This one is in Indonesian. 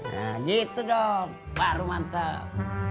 nah gitu dong baru mantap